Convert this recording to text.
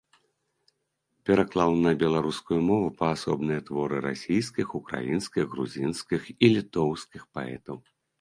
Пераклаў на беларускую мову паасобныя творы расійскіх, украінскіх, грузінскіх і літоўскіх паэтаў.